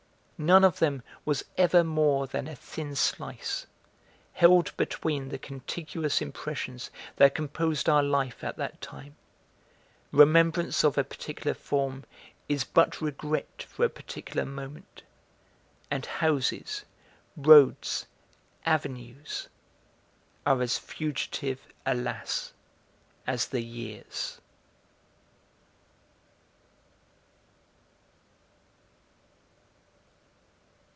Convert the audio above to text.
None of them was ever more than a thin slice, held between the contiguous impressions that composed our life at that time; remembrance of a particular form is but regret for a particular moment; and houses, roads, avenues are as fugitive, alas, as the years.